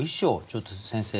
ちょっと先生